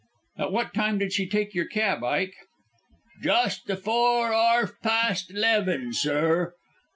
"At what time did she take your cab, Ike?" "Just afore arf past 'leven, sir.